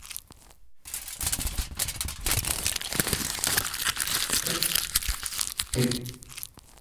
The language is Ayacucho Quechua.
Yachachiqqa yachakuqkunata ñawinchaymanta, qillqaymanta ñataq yupaykunamanta yachachinmi.